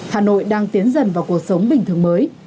hà nội đang tiến dần vào cuộc sống bình thường mới